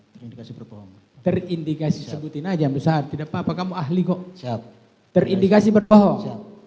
terindikasi berbohong terindikasi sebutin aja bisa tidak papa kamu ahli kok terindikasi berbohong